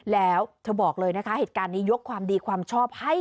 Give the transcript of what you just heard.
แล้วเธอบอกเลยนะคะเหตุการณ์นี้ยกความดีความชอบให้